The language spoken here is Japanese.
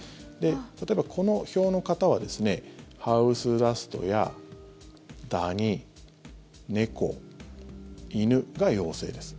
例えば、この表の方はハウスダストやダニ、猫、犬が陽性です。